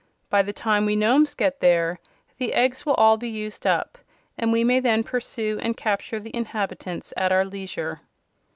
By the time we Nomes get there the eggs will all be used up, and we may then pursue and capture the inhabitants at our leisure."